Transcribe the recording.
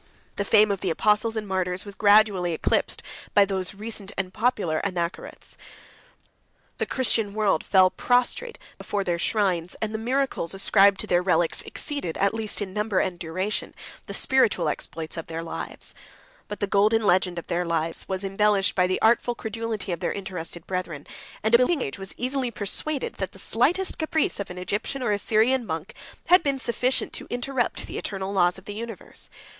The fame of the apostles and martyrs was gradually eclipsed by these recent and popular Anachorets; the Christian world fell prostrate before their shrines; and the miracles ascribed to their relics exceeded, at least in number and duration, the spiritual exploits of their lives. But the golden legend of their lives 73 was embellished by the artful credulity of their interested brethren; and a believing age was easily persuaded, that the slightest caprice of an Egyptian or a Syrian monk had been sufficient to interrupt the eternal laws of the universe.